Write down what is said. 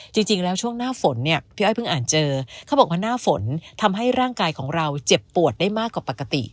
จริงแล้วช่วงหน้าฝนเนี่ยพี่อ้อยเพิ่งอ่านเจอเขาบอกว่าหน้าฝนทำให้ร่างกายของเราเจ็บปวดได้มากกว่าปกติ